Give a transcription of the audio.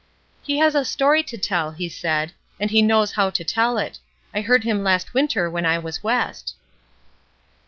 "He has a story to tell," he said, "and he knows how to tell it. I heard him last winter when I was West."